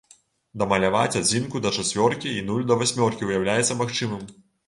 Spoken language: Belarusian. Дамаляваць адзінку да чацвёркі і нуль да васьмёркі ўяўляецца магчымым.